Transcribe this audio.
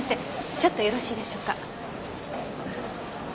ちょっとよろしいでしょうか？